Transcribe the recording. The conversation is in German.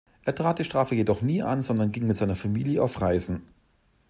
Er trat die Strafe jedoch nie an, sondern ging mit seiner Familie auf Reisen.